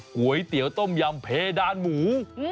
ก๋วยเตี๋ยวต้มยำเพดานหมู